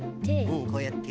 うんこうやって。